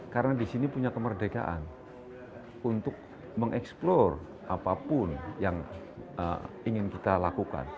karena di sini punya kemerdekaan untuk mengeksplor apapun yang ingin kita lakukan